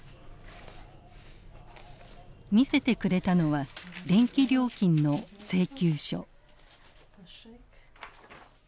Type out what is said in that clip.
見せてくれたのは電気料金の請求書。